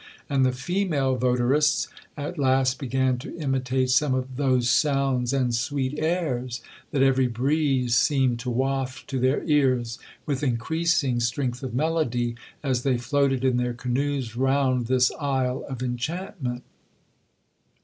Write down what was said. And the female votarists at last began to imitate some of 'those sounds and sweet airs' that every breeze seemed to waft to their ears, with increasing strength of melody, as they floated in their canoes round this isle of enchantment.